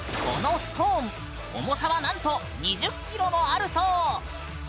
このストーン重さはなんと２０ｋｇもあるそう！